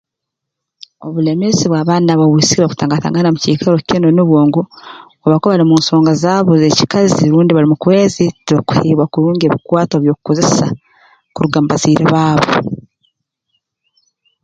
Obulemeezi bw'abaana b'obwisiki bakutangatangana mu kiikaro kinu nubwo ngu obu bakuba bali mu nsonga zaabo z'ekikazi rundi bali mu kwezi tibakuheebwa kurungi ebikukwatwa by'okukozesa kuruga mu bazaire baabo